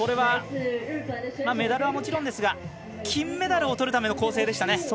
メダルはもちろんですが金メダルをとるための構成でしたね。